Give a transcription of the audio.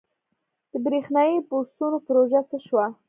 د بریښنايي بسونو پروژه څه شوه؟